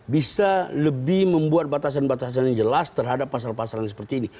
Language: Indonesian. bisa lebih membuat batasan batasan yang jelas terhadap pasal pasal yang seperti ini